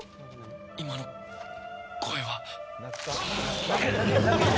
今の声は。